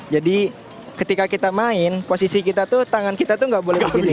jadi ketika kita main posisi kita tuh tangan kita tuh nggak boleh begini